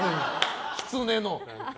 キツネの。